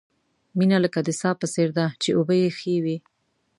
مینه لکه د څاه په څېر ده، چې اوبه یې ښې وي.